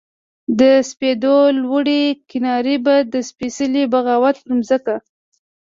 د سپېدو لوړې کنارې به د سپیڅلې بغاوت پر مځکه